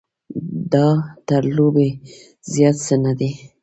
دا تر لوبې زیات څه نه دی.